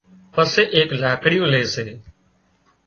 پسي ايڪ لاڪڙون لي سي